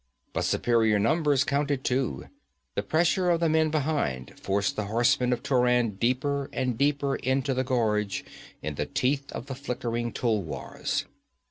But superior numbers counted too. The pressure of the men behind forced the horsemen of Turan deeper and deeper into the gorge, in the teeth of the flickering tulwars.